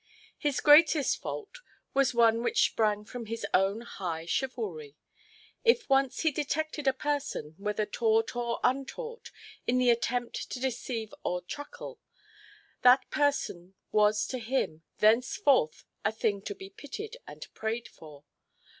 His greatest fault was one which sprang from his own high chivalry. If once he detected a person, whether taught or untaught, in the attempt to deceive or truckle, that person was to him thenceforth a thing to be pitied and prayed for.